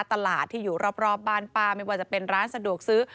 ตลาดที่อยู่รอบบ้านป้าไม่ว่าจะเป็นร้านสะดวกซื้อ